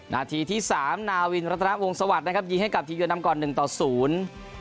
นาทีที่สามนาวินรัฐนาวงศวรรคนะครับยิงให้กับทีเยือนนำก่อนหนึ่งต่อศูนย์